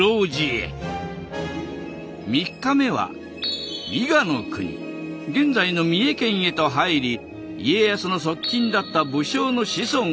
３日目は伊賀の国現在の三重県へと入り家康の側近だった武将の子孫を訪ねる。